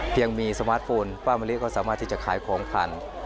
ยังมีสมาร์ทโฟนป้ามะลิก็สามารถที่จะขายของผ่าน